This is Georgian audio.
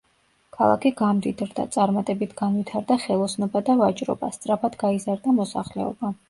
ქალაქი გამდიდრდა, წარმატებით განვითარდა ხელოსნობა და ვაჭრობა, სწრაფად გაიზარდა მოსახლეობა.